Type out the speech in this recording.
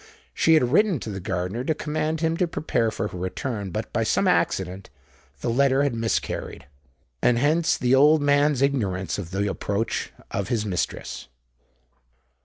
She had written to the gardener to command him to prepare for her return; but, by some accident, the letter had miscarried—and hence the old man's ignorance of the approach of his mistress.